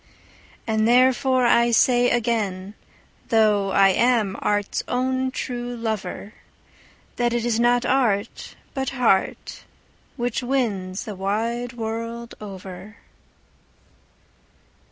And therefore I say again, though I am art's own true lover, That it is not art, but heart, which wins the wide world over.